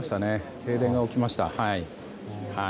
停電が起きました。